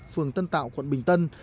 phường tân tạo quận bình tân